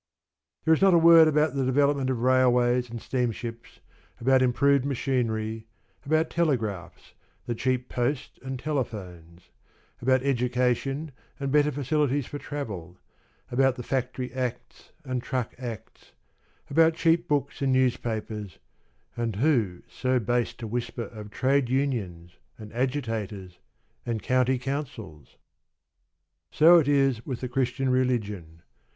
There is not a word about the development of railways and steamships, about improved machinery, about telegraphs, the cheap post and telephones; about education and better facilities of travel; about the Factory Acts and Truck Acts; about cheap books and newspapers; and who so base to whisper of Trade Unions, and Agitators, and County Councils? So it is with the Christian religion.